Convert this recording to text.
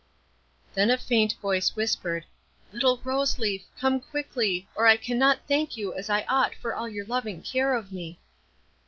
Then a faint voice whispered, "Little Rose Leaf, come quickly, or I cannot thank you as I ought for all your loving care of me."